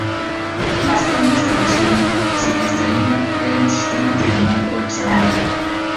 No está aún establecido si cristalina en sistema trigonal o hexagonal.